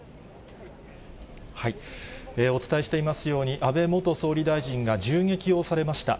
お伝えしていますように、安倍元総理大臣が銃撃をされました。